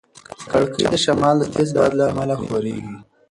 کړکۍ د شمال د تېز باد له امله ښورېږي.